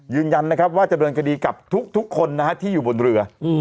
ยืนยันนะครับว่าจะเดินคดีกับทุกคนนะฮะที่อยู่บนเรือ